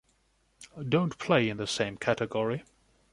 Don’t play in the same category.